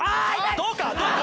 どうか？